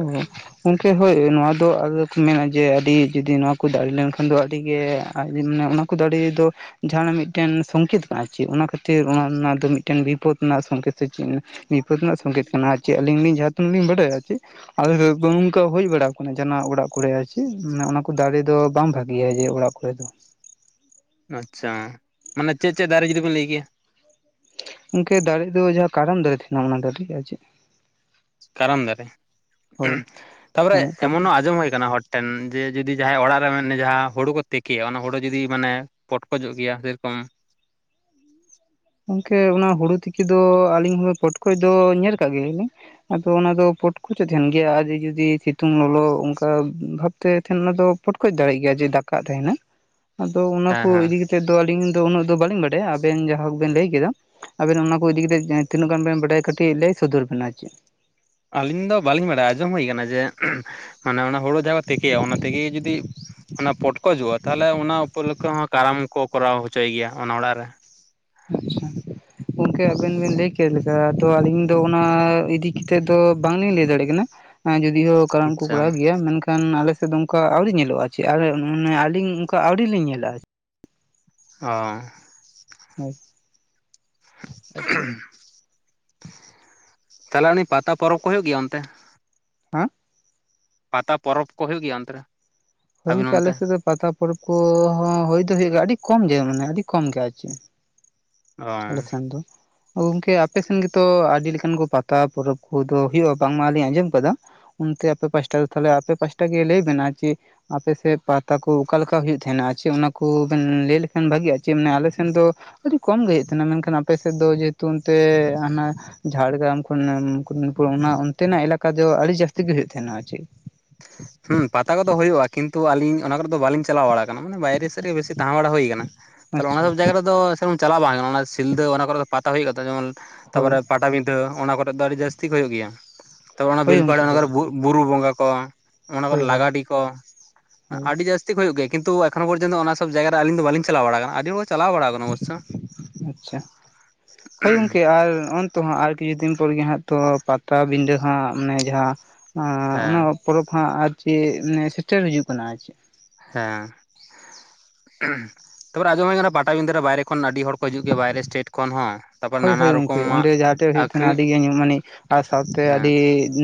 ᱩᱸᱦᱩᱸᱜ ᱜᱚᱝᱠᱮ ᱦᱳᱭ ᱱᱚᱣᱟ ᱫᱚ ᱟᱹᱞᱠ ᱢᱮᱱᱟ ᱡᱮ ᱟᱹᱰᱤ ᱡᱩᱫᱤ ᱱᱚᱣᱟ ᱠᱩᱫ ᱟᱹᱲᱤ ᱞᱮᱱᱠᱷᱟᱱ ᱫᱚ ᱟᱹᱰᱤ ᱜᱮ ᱟᱡ ᱜᱤ ᱢᱟᱱᱮ ᱚᱱᱟ ᱠᱩᱫᱟᱹᱲᱤ ᱫᱚ ᱡᱟᱦᱟᱸᱱᱟᱜ ᱢᱤᱫᱴᱮᱱ ᱥᱚᱝᱠᱷᱮᱛ ᱛᱟᱸᱦᱮ ᱩᱪᱤ ᱚᱱᱟ ᱠᱷᱟᱹᱛᱤᱨ ᱚᱱᱟ ᱨᱮᱱᱟᱜ ᱫᱚ ᱢᱤᱫᱴᱮᱱ ᱵᱤᱯᱚᱫ ᱨᱮᱱᱟᱜ ᱥᱚᱝᱠᱷᱮᱛ ᱫᱚ ᱪᱮᱫ ᱢᱮᱱᱟ ᱵᱤᱯᱟᱹᱫ ᱨᱮᱱᱟᱜ ᱥᱚᱝᱠᱮᱛ ᱠᱟᱱᱟ ᱪᱮᱫ ᱟᱹᱞᱤᱧ ᱞᱤᱧ ᱡᱟᱦᱟᱸ ᱛᱤᱱᱟᱹᱜ ᱞᱤᱧ ᱵᱟᱰᱟᱭᱟ ᱪᱮ ᱟᱨ ᱵᱟᱝ ᱚᱝᱠᱟ ᱦᱩᱭ ᱵᱟᱲᱟᱣ ᱠᱟᱱᱟ ᱡᱟᱦᱟᱸᱱᱟᱜ ᱚᱲᱟᱜ ᱠᱚᱨᱮ ᱟᱪᱮ ᱢᱟᱱᱮ ᱚᱱᱟ ᱠᱩ ᱫᱟᱨᱮ ᱫᱚ ᱵᱟᱝ ᱵᱷᱟᱠ ᱜᱮᱭᱟ ᱡᱮ ᱚᱲᱟᱜ ᱠᱚᱨᱮ ᱫᱚ ᱟᱪᱪᱷᱟ ᱢᱟᱱᱮ ᱪᱮᱫ ᱪᱮᱫ ᱫᱟᱨᱮ ᱡᱩᱫᱤ ᱵᱤᱱ ᱞᱟᱹᱭ ᱠᱮᱭᱟ? ᱜᱚᱝᱠᱮ ᱫᱟᱨᱮ ᱫᱚ ᱡᱟᱦᱟᱸ ᱠᱟᱨᱟᱢ ᱫᱟᱨᱮ ᱛᱟᱦᱮᱸᱱᱟ ᱚᱱᱟ ᱫᱟᱨᱮ ᱜᱮ ᱟᱨ ᱪᱮᱫ? ᱠᱟᱨᱟᱢ ᱫᱟᱨᱮ ᱦᱳᱭ ᱛᱟᱯᱚᱨᱮ ᱮᱢᱚᱱᱚ ᱟᱸᱡᱚᱢ ᱦᱩᱭ ᱠᱟᱱᱟ ᱦᱚᱴ ᱴᱮᱱ ᱡᱮ ᱡᱩᱫᱤ ᱡᱟᱦᱟᱸᱭ ᱚᱲᱟᱜ ᱨᱮ ᱢᱮᱱ ᱩᱱᱤ ᱡᱟᱦᱟᱸ ᱦᱳᱲᱳ ᱠᱚ ᱛᱤᱠᱤᱭᱟ ᱚᱱᱟ ᱦᱳᱲᱳ ᱡᱩᱫᱤ ᱢᱟᱱᱮ ᱯᱚᱴᱠᱚᱡᱚᱜ ᱜᱮᱭᱟ ᱥᱮᱨᱚᱠᱚᱢ ᱾ ᱜᱚᱝᱠᱮ ᱚᱱᱟ ᱦᱩᱲᱩ ᱛᱤᱠᱤ ᱫᱚ ᱟᱹᱞᱤᱧ ᱦᱚᱸ ᱯᱚᱴᱠᱚᱡ ᱫᱚ ᱧᱮᱞ ᱟᱠᱟᱜ ᱜᱮᱭᱟ ᱞᱤᱧ ᱾ ᱟᱫᱚ ᱚᱱᱟ ᱫᱚ ᱯᱚᱴᱠᱚᱪᱚᱜ ᱛᱟᱦᱮᱱ ᱜᱮᱭᱟ ᱾ ᱟᱨ ᱡᱩᱫᱤ ᱥᱤᱛᱩᱝ ᱞᱚᱞᱚ ᱚᱝᱠᱟ ᱵᱷᱟᱵ ᱛᱮ ᱛᱟᱦᱮᱱ ᱚᱱᱟ ᱫᱚ ᱯᱚᱴᱠᱚᱡ ᱫᱟᱲᱮᱜ ᱜᱮᱭᱟᱜ ᱡᱮ ᱫᱟᱠᱟ ᱛᱟᱦᱮᱱᱟ᱾ ᱟᱫᱚ ᱚᱱᱟ ᱦᱮᱸ ᱠᱚ ᱦᱮᱸ ᱤᱫᱤ ᱠᱟᱛᱮᱜ ᱫᱚ ᱟᱹᱞᱤᱧ ᱫᱚ ᱩᱱᱟᱹᱜ ᱫᱚ ᱵᱟᱹᱞᱤᱧ ᱵᱟᱰᱟᱭᱟ ᱾ ᱟᱵᱮᱱ ᱡᱟᱦᱟᱸ ᱵᱮᱱ ᱞᱟᱹᱭ ᱠᱮᱫᱟ, ᱟᱵᱮᱱ ᱚᱱᱟ ᱠᱚ ᱤᱫᱤ ᱠᱟᱛᱮ ᱡᱟᱦᱟᱸ ᱛᱤᱱᱟᱹᱜ ᱜᱟᱱ ᱵᱮᱱ ᱵᱟᱰᱟᱭᱟ ᱠᱟᱹᱴᱤᱡ ᱞᱟᱹᱭ ᱥᱚᱫᱚᱨ ᱵᱮᱱ ᱟᱨ ᱪᱮᱫ ᱾ ᱟᱹᱞᱤᱧ ᱫᱚ ᱵᱟᱹᱞᱤᱧ ᱵᱟᱲᱟᱭᱟ ᱟᱸᱡᱚᱢ ᱦᱩᱭ ᱠᱟᱱᱟ ᱡᱮ, ᱢᱟᱱᱮ ᱚᱱᱟ ᱦᱩᱲᱩ ᱡᱟᱦᱟᱸ ᱠᱚ ᱛᱤᱠᱤᱭᱟ ᱚᱱᱟ ᱛᱮᱜᱤ ᱡᱩᱫᱤ ᱚᱱᱟ ᱯᱚᱴᱠᱚᱡᱚᱜ-ᱟ ᱛᱟᱦᱞᱮ ᱚᱱᱟ ᱩᱯᱳᱞᱚᱠᱷᱮ ᱦᱚᱸ ᱠᱟᱨᱟᱢ ᱠᱚ ᱠᱚᱨᱟᱣ ᱦᱚᱪᱚᱭ ᱜᱮᱭᱟ ᱚᱱᱟ ᱚᱲᱟᱜ ᱨᱮ ᱾ ᱟᱪᱪᱷᱟ ᱾ ᱜᱚᱝᱠᱮ ᱟᱵᱮᱱ ᱵᱮᱱ ᱞᱟᱹᱭ ᱠᱮᱜ ᱞᱮᱠᱟ, ᱛᱚ ᱟᱞᱤᱧ ᱫᱚ ᱚᱱᱟ ᱤᱫᱤ ᱠᱟᱛᱮᱫ ᱫᱚ ᱵᱟᱝ ᱞᱤᱧ ᱞᱟᱹᱭ ᱫᱟᱲᱮᱭᱟᱜ ᱠᱟᱱᱟ᱾ ᱦᱮᱸ ᱡᱩᱫᱤᱭᱳ ᱠᱟᱨᱟᱢ ᱠᱚ ᱟᱪᱪᱷᱟ ᱠᱚᱨᱟᱣ ᱜᱮᱭᱟ ᱢᱮᱱ ᱠᱟᱜ ᱠᱷᱟᱸᱱ ᱟᱞᱮ ᱥᱮᱫ ᱫᱚ ᱚᱱᱠᱟ ᱟᱹᱣᱨᱤ ᱧᱮᱞᱚᱜ-ᱟ ᱪᱮ ᱟᱨ ᱚᱱᱠᱟ ᱟᱹᱞᱤᱧ ᱚᱝᱠᱟ ᱟᱹᱣᱨᱤ ᱞᱤᱧ ᱧᱮᱞᱟ᱾ [unintelligible] ᱦᱳᱭ ᱾ [inaudible] [inaudible] ᱛᱟᱞᱦᱮ ᱩᱱᱤ ᱯᱟᱛᱟ ᱯᱚᱨᱚᱵᱽ ᱠᱚ ᱦᱩᱭᱩᱜ ᱜᱮᱭᱟ ᱚᱱᱛᱮ? ᱦᱟᱸ ᱯᱟᱛᱟ ᱯᱚᱨᱚᱵᱽ ᱠᱚ ᱦᱩᱭᱩᱜ ᱜᱮᱭᱟ ᱚᱱᱛᱮ ᱨᱮ? ᱦᱳᱭ ᱟᱹᱵᱤᱱ ᱜᱚᱝᱠᱮ ᱟᱞᱮ ᱚᱱᱛᱮ ᱥᱮᱫ ᱫᱚ ᱯᱟᱛᱟ ᱯᱚᱨᱚᱵᱽ ᱠᱚ ᱦᱚᱸ ᱦᱩᱭ ᱫᱚ ᱦᱩᱭᱩᱜ ᱜᱮᱭᱟ, ᱟᱹᱰᱤ ᱠᱚᱢ ᱜᱮ ᱢᱟᱱᱮ ᱟᱹᱰᱤ ᱠᱚᱢ ᱜᱮ ᱟᱨ ᱪᱮᱫ ᱚ ᱟᱞᱮ ᱥᱮᱱ ᱫᱚ ᱾ ᱚ ᱜᱚᱝᱠᱮ ᱟᱯᱮ ᱥᱮᱱ ᱜᱮᱛᱚ ᱟᱰᱤ ᱞᱮᱠᱟᱱ ᱠᱚ ᱯᱟᱛᱟ ᱯᱚᱨᱚᱵᱽ ᱠᱚᱫᱚ ᱦᱳᱭᱳᱜ-ᱟ ᱵᱟᱝ ᱢᱟ ᱞᱤᱧ ᱟᱸᱡᱚᱢ ᱟᱠᱟᱫᱟ᱾ ᱚᱱᱛᱮ ᱟᱯᱮ ᱯᱟᱥᱴᱟ ᱫᱚ ᱛᱟᱞᱦᱮ ᱟᱯᱮ ᱯᱟᱥᱴᱟ ᱜᱮ ᱞᱟᱹᱭ ᱵᱮᱱ ᱟᱨ ᱪᱮ ᱟᱯᱮ ᱥᱮᱫ ᱯᱟᱛᱟ ᱠᱚ ᱚᱠᱟ ᱞᱮᱠᱟ ᱦᱩᱭᱩᱜ ᱛᱟᱦᱮᱸᱱᱟ ᱟᱨ ᱪᱮᱫ ᱚᱱᱟ ᱠᱩ ᱵᱮᱱ ᱞᱟᱹᱭ ᱞᱮᱠᱷᱟᱱ ᱵᱷᱟᱹᱜᱤᱜ-ᱟ ᱪᱮ ᱢᱟᱱᱮ ᱟᱞᱮ ᱥᱮᱱ ᱫᱚ ᱟᱹᱰᱤ ᱠᱚᱢ ᱜᱮ ᱦᱩᱭᱩᱜ ᱛᱟᱦᱮᱱᱟ ᱾ ᱢᱮᱱᱠᱷᱟᱱ ᱟᱯᱮ ᱥᱮᱫ ᱫᱚ ᱡᱮᱦᱮᱛᱩ ᱚᱱᱛᱮ ᱦᱟᱱᱟ ᱡᱷᱟᱲᱜᱨᱟᱢ ᱠᱷᱚᱱ ᱚᱱᱮ ᱢᱩᱠᱩᱴᱢᱩᱱᱤᱯᱩᱨ ᱚᱱᱟ ᱚᱛᱮᱱᱟᱜ ᱮᱞᱟᱠᱟ ᱫᱚ ᱟᱹᱰᱤ ᱡᱟᱹᱥᱛᱤ ᱜᱮ ᱦᱩᱭᱩᱜ ᱛᱮᱦᱮᱱᱟ ᱟᱨ ᱪᱮᱫ᱾ [inaudible] ᱦᱩᱸ ᱯᱟᱛᱟ ᱠᱚᱫᱚ ᱦᱩᱭᱩᱜ-ᱟ ᱠᱤᱱᱛᱩ ᱟᱹᱞᱤᱧ ᱚᱱᱟ ᱠᱚᱨᱮ ᱫᱚ ᱵᱟᱞᱤᱧ ᱪᱟᱞᱟᱣ ᱵᱟᱲᱟ ᱟᱠᱟᱱᱟ, ᱢᱟᱱᱮ ᱵᱟᱭᱨᱮ ᱥᱮᱫ ᱨᱮᱜᱮ ᱵᱮᱥᱤ ᱛᱟᱦᱮᱸ ᱵᱟᱲᱟ ᱦᱩᱭ ᱠᱟᱱᱟ᱾ ᱛᱟᱞᱦᱮ ᱚᱱᱟ ᱟᱪᱪᱷᱟ ᱥᱚᱵ ᱡᱟᱭᱜᱟ ᱨᱮᱫᱚ ᱥᱮᱨᱚᱠᱚᱢ ᱪᱟᱞᱟᱣ ᱵᱟᱝ ᱦᱩᱭ ᱟᱠᱟᱱᱟ ᱾ ᱚᱱᱟ ᱥᱤᱞᱫᱟᱹ ᱚᱱᱟ ᱠᱚᱨᱮ ᱫᱚ ᱯᱟᱛᱟ ᱦᱩᱭᱩᱜ ᱜᱮᱭᱟ ᱛᱚ, ᱡᱮᱢᱚᱱ ᱦᱳᱭ ᱛᱟᱯᱚᱨᱮ ᱯᱟᱴ ᱴᱟᱵᱤᱸᱫᱟᱹ ᱚᱱᱟ ᱠᱚᱨᱮᱜ ᱫᱚ ᱟᱹᱰᱤ ᱡᱟᱹᱥᱛᱤ ᱜᱮ ᱦᱩᱭᱩᱜ ᱜᱮᱭᱟ ᱾ ᱛᱟᱯᱚᱨ ᱚᱱᱟ ᱦᱳᱭ ᱵᱮᱞᱯᱟᱲᱟ ᱜᱚᱝᱠᱮ ᱚᱱᱟ ᱦᱳᱭ ᱠᱚᱨᱮ ᱵᱩᱜ ᱵᱩᱨᱩ ᱵᱚᱸᱜᱟ ᱠᱚ ᱾ ᱚᱱᱟ ᱠᱚᱨᱮ ᱦᱳᱭ ᱦᱳᱭ ᱞᱟᱜᱟᱰᱤ ᱠᱚ ᱦᱳᱭ [inaudible] ᱟᱹᱰᱤ ᱡᱟᱹᱥ ᱛᱤ ᱠᱩ ᱦᱩᱭᱩᱜ ᱜᱮᱭᱟ ᱠᱤᱱᱛᱩ ᱮᱠᱷᱚᱱ ᱯᱚᱨᱡᱚᱱᱛᱚ ᱚᱱᱟ ᱥᱚᱵ ᱡᱟᱭᱜᱟ ᱨᱮ ᱟᱹᱞᱤᱧ ᱫᱚ ᱵᱟᱹᱞᱤᱧ ᱪᱟᱞᱟᱣ ᱵᱟᱲᱟ ᱟᱠᱟᱱᱟ ᱾ ᱟᱹᱰᱤ ᱦᱚᱲ ᱪᱟᱞᱟᱣ ᱵᱟᱲᱟᱣ ᱟᱪᱪᱷᱟ ᱾ [inaudible] ᱦᱳᱭ ᱜᱚᱝᱠᱮ ᱟᱨ ᱚᱱᱮ ᱛᱚ ᱦᱟᱸᱜ ᱟᱨ ᱠᱤᱪᱷᱩ ᱫᱤᱱ ᱯᱚᱨ ᱜᱤ ᱦᱟᱸᱜ ᱛᱚ ᱯᱟᱛᱟᱵᱤᱸᱰᱟᱹ ᱦᱟᱸᱜ ᱢᱟᱱᱮ ᱡᱟᱦᱟᱸ ᱟᱸ ᱦᱮᱸ ᱚᱱᱟ ᱯᱚᱨᱚᱵᱽ ᱦᱟᱸᱜ ᱟᱨ ᱪᱤᱜ ᱢᱟᱱᱮ ᱥᱮᱴᱮᱨ ᱦᱤᱡᱩᱜ ᱠᱟᱱᱟ ᱟᱨ ᱪᱮᱫ ᱾ ᱦᱮᱸ ᱾ [inaudible] ᱛᱟᱯᱚᱨᱮ ᱟᱸᱡᱚᱢ ᱦᱩᱭ ᱟᱠᱟᱱᱟ ᱯᱟᱴᱟᱵᱤᱫᱟᱹ ᱨᱮ ᱵᱟᱭᱨᱮ ᱠᱷᱚᱱ ᱟᱹᱰᱤ ᱦᱚᱲ ᱠᱚ ᱦᱤᱡᱩᱜ ᱜᱮᱭᱟ ᱵᱟᱭᱨᱮ ᱥᱴᱮᱴ ᱠᱷᱚᱱ ᱦᱚᱸ ᱾ ᱦᱳᱭ ᱦᱳᱭ ᱜᱚᱝᱠᱮ ᱚᱸᱰᱮ ᱡᱟᱦᱟᱸ ᱴᱷᱮᱡ ᱦᱩᱭᱩᱜ ᱛᱟᱦᱮᱱᱟ ᱟᱹᱰᱤ ᱜᱮ ᱧᱩᱢ ᱢᱟᱱᱤᱡ ᱟᱨ ᱥᱟᱶᱛᱮ ᱟᱹᱰᱤ ᱦᱮᱸ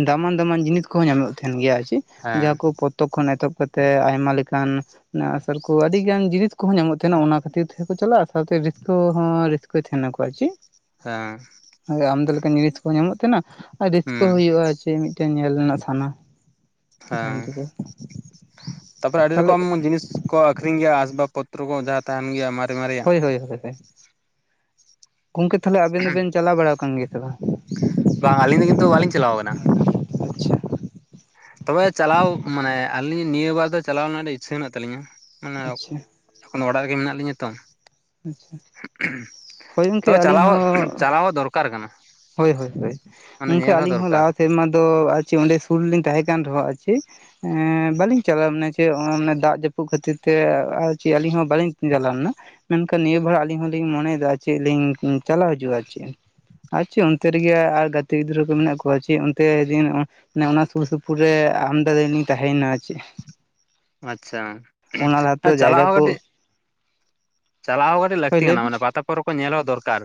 ᱫᱟᱢᱟᱱ ᱫᱟᱢᱟᱱ ᱡᱤᱱᱤᱥ ᱠᱚᱦᱚᱸ ᱧᱟᱢᱚᱫ ᱛᱟᱦᱮᱱ ᱜᱮᱭᱟ ᱟᱨ ᱪᱮᱫ ᱦᱮᱸ ᱡᱟᱦᱟᱸ ᱠᱚᱠᱚ ᱯᱚᱛᱚᱵ ᱠᱷᱚᱱ ᱮᱛᱚᱦᱚᱵ ᱠᱟᱛᱮᱫ ᱟᱭᱢᱟ ᱞᱮᱠᱟᱱ ᱚᱱᱟ ᱟᱸᱜ ᱥᱟᱨ ᱠᱚ ᱟᱹᱰᱤ ᱜᱟᱱ ᱡᱤᱱᱤᱥ ᱠᱚᱦᱚᱸ ᱧᱟᱢᱚᱜ ᱛᱟᱦᱮᱱᱟ ᱚᱱᱟ ᱠᱷᱟᱹᱛᱤᱨ ᱛᱮᱦᱚᱸ ᱠᱚ ᱪᱟᱞᱟᱜ-ᱟ ᱥᱟᱶ ᱛᱮ ᱨᱟᱹᱥᱠᱟᱹ ᱦᱚᱸ ᱨᱟᱹᱥ ᱠᱟᱹᱭ ᱛᱟᱦᱮᱱ ᱟᱠᱚ ᱡᱮ ᱾ ᱦᱮᱸ᱾ ᱟᱢ ᱫᱚ ᱞᱮᱠᱟᱱ ᱡᱤᱱᱤᱥ ᱠᱚᱦᱚᱸ ᱧᱟᱢᱚᱜ ᱛᱟᱦᱮᱱᱟ ᱟᱨ ᱨᱟᱹᱥᱠᱟᱹ ᱦᱩᱸ ᱦᱩᱭᱩᱜ-ᱟ ᱡᱮ ᱢᱤᱫᱴᱮᱱ ᱧᱮᱞ ᱨᱮᱱᱟᱜ ᱥᱟᱱᱟ᱾ ᱦᱮᱸ ᱛᱟᱦᱮᱱ ᱛᱟᱠᱚᱣᱟ ᱾ [inaudible] ᱛᱟᱯᱚᱨᱮ ᱟᱹᱰᱤ ᱛᱟᱦᱚᱞᱮ ᱨᱚᱠᱚᱢ ᱡᱤᱱᱤᱥ ᱠᱚ ᱟᱠᱷᱨᱤᱧ ᱜᱮᱭᱟ ᱟᱥᱵᱟᱵ ᱯᱚᱛᱨᱚ ᱠᱚ ᱾ ᱡᱟᱦᱟᱸ ᱛᱟᱦᱮᱱ ᱜᱮᱭᱟ ᱢᱟᱨᱮ ᱢᱟᱨᱮ ᱦᱳᱭ ᱦᱳᱭ ᱦᱳᱭ ᱾ [inaudible] ᱜᱚᱝᱠᱮ ᱛᱟᱦᱚᱞᱮ ᱟᱵᱮᱱ ᱫᱚᱵᱮᱱ ᱪᱟᱞᱟᱣ ᱵᱟᱲᱟ ᱟᱠᱟᱱ ᱜᱮᱭᱟ ᱛᱚ? ᱵᱟᱝ ᱟᱹᱞᱤᱧ ᱫᱚ ᱠᱤᱱᱛᱩ ᱵᱟᱞᱤᱧ ᱪᱟᱞᱟᱣ ᱠᱟᱱᱟ᱾ ᱟᱪᱪᱷᱟ ᱛᱚᱵᱮ ᱪᱟᱞᱟᱣ ᱢᱟᱱᱮ ᱟᱹᱞᱤᱧ ᱱᱤᱭᱟᱹ ᱵᱟᱨ ᱫᱚ ᱪᱟᱞᱟᱣ ᱨᱮᱱᱟᱜ ᱤᱪᱪᱷᱟᱹ ᱢᱮᱱᱟᱜ ᱛᱟᱹᱟᱞᱤᱧᱟ, ᱢᱟᱱᱮ ᱟᱪᱪᱷᱟ ᱮᱠᱷᱚᱱ ᱚᱲᱟᱜ ᱨᱮᱜᱮ ᱢᱮᱱᱟᱜ ᱞᱤᱧᱟᱹ ᱛᱚ᱾ ᱟᱪᱪᱷᱟ ᱦᱳᱭ ᱜᱚᱝᱠᱮ ᱛᱚᱵᱮ ᱟᱹᱞᱤᱧ ᱪᱟᱞᱟᱣ ᱦᱚᱸ ᱪᱟᱞᱟᱣ ᱦᱚ ᱫᱚᱨᱠᱟᱨ ᱠᱟᱱᱟ᱾ ᱦᱳᱭ ᱦᱳᱭ ᱦᱳᱭ ᱢᱟᱱᱮ ᱜᱚᱝᱠᱮ ᱧᱮᱞ ᱟᱹᱞᱤᱧ ᱦᱚᱸ ᱫᱚᱨᱠᱟᱨ ᱞᱟᱦᱟ ᱥᱮᱨᱢᱟ ᱫᱚ ᱟᱨᱪᱮᱫ ᱚᱸᱰᱮ ᱥᱩᱨ ᱨᱮᱞᱤᱧ ᱛᱟᱦᱮᱸ ᱠᱟᱱ ᱨᱮᱦᱚᱸ ᱟᱨ ᱪᱮᱫ? ᱮᱸ ᱵᱟᱹᱞᱤᱧ ᱪᱟᱞᱟᱜᱼᱟ ᱢᱟᱱᱮ ᱪᱮᱫ ᱚᱱᱮ ᱫᱟᱜ ᱡᱟᱹᱯᱩᱫ ᱠᱷᱟᱹᱛᱤᱨ ᱛᱮ ᱪᱮᱫ ᱟᱹᱞᱤᱧ ᱦᱚᱸ ᱵᱟᱟᱹᱞᱤᱧ ᱪᱟᱞᱟᱣ ᱞᱮᱱᱟ ᱢᱮᱱᱠᱷᱟᱱ ᱱᱤᱭᱟᱹ ᱵᱷᱟᱲᱟ ᱟᱹᱞᱤᱧ ᱦᱚᱞᱤᱧ ᱢᱚᱱᱮᱭᱮᱫᱟ ᱪᱮᱫ ᱞᱤᱧ ᱪᱟᱞᱟᱣ ᱦᱤᱡᱩᱜᱼᱟ ᱟᱨ ᱪᱮᱫ᱾ ᱟᱨ ᱪᱮᱫ ᱚᱱᱛᱮ ᱨᱮᱜᱮ ᱟᱨ ᱜᱟᱛᱮ ᱜᱤᱫᱽᱨᱟᱹ ᱠᱚ ᱢᱮᱱᱟᱜ ᱠᱚᱣᱟ ᱪᱮᱫ ᱚᱱᱛᱮ ᱫᱤᱱ ᱚᱱᱮ ᱚᱱᱟ ᱥᱩᱨ ᱥᱩᱯᱩᱨ ᱨᱮ ᱟᱢᱫᱟ ᱫᱤᱱ ᱞᱤᱧ ᱛᱟᱦᱮᱸᱭᱮᱱᱟ ᱪᱮᱫ᱾ ᱟᱪᱪᱷᱟ ᱚᱱᱟ ᱞᱟᱦᱟᱛᱮ ᱦᱮᱸ ᱪᱟᱞᱟᱣ ᱡᱟᱭᱜᱟ ᱦᱚᱸ ᱠᱚ ᱠᱟᱹᱴᱤᱡ ᱪᱟᱞᱟᱣ ᱦᱚᱸ ᱠᱟᱹᱴᱤᱡ ᱦᱳᱭ ᱞᱟᱹᱠᱛᱤ ᱞᱟᱹᱭ ᱠᱟᱱᱟ ᱵᱤᱱ ᱢᱮ ᱯᱟᱛᱟ ᱯᱚᱨᱚᱵᱽ ᱠᱚ ᱧᱮᱞ ᱦᱚᱸ ᱫᱚᱨᱠᱟᱨ᱾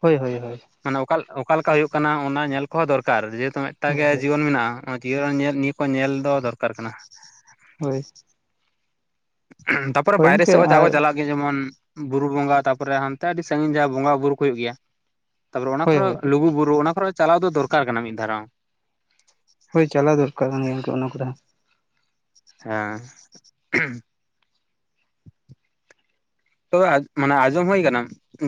ᱦᱳᱭ ᱦᱳᱭ ᱦᱳᱭ ᱢᱟᱱᱮ ᱚᱠᱟ ᱚᱠᱟ ᱞᱮᱠᱟ ᱦᱩᱭᱩᱜ ᱠᱟᱱᱟ ᱚᱱᱟ ᱧᱮᱞ ᱠᱚᱦᱚᱸ ᱫᱚᱨᱠᱟᱨ ᱡᱮᱦᱮᱛᱩ ᱢᱤᱫᱴᱟᱜ ᱦᱳᱭ ᱜᱮ ᱦᱳᱭ ᱡᱤᱭᱚᱱ ᱢᱮᱱᱟᱜᱼᱟ, ᱟ ᱡᱤᱭᱚᱱ ᱧᱮᱞ ᱱᱤᱭᱟᱹ ᱠᱚ ᱧᱮᱞ ᱫᱚ ᱫᱚᱨᱠᱟᱨ ᱠᱟᱱᱟ᱾ ᱦᱳᱭ᱾ ᱛᱟᱯᱚᱨᱮ ᱵᱟᱭᱨᱮ ᱜᱚᱝᱠᱮ ᱥᱮᱫ ᱚ ᱡᱟᱠᱚ ᱟᱨ ᱪᱟᱞᱟᱜ ᱜᱮ ᱡᱮᱢᱚᱱ ᱵᱩᱨᱩ ᱵᱚᱸᱜᱟ ᱛᱟᱯᱚᱨᱮ ᱦᱟᱸᱱᱛᱮ ᱟᱹᱰᱤ ᱥᱟᱹᱜᱤᱧ ᱡᱟᱦᱟᱸ ᱵᱚᱸᱜᱟ ᱵᱩᱨᱩ ᱠᱚ ᱦᱩᱭᱩᱜ ᱜᱮᱭᱟ᱾ ᱛᱟᱯᱚᱨᱮ ᱚᱱᱟ ᱦᱳᱭ ᱠᱚᱨᱮ ᱦᱳᱭ ᱞᱩᱜᱩ ᱵᱩᱨᱩ ᱚᱱᱟ ᱠᱚᱨᱮ ᱪᱟᱞᱟᱣ ᱫᱚᱨᱠᱟᱨ ᱠᱟᱱᱟ ᱢᱤᱫ ᱫᱷᱟᱣ ᱨᱮᱦᱚᱸ᱾ ᱦᱳᱭ ᱪᱟᱞᱟᱣ ᱫᱚᱨᱠᱟᱨ ᱠᱟᱱ ᱜᱮᱭᱟ ᱜᱚᱝᱠᱮ ᱚᱱᱟ ᱠᱚᱨᱮ ᱦᱚᱸ᱾ ᱦᱮᱸ᱾ ᱟ [inaudible] ᱛᱚᱵᱮ ᱢᱟᱱᱮ ᱟᱸᱡᱚᱢ ᱦᱩᱭ ᱠᱟᱱᱟ,